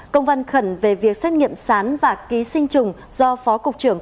công văn khẩn về việc xét nghiệm sán và ký sinh trùng do phó cục trưởng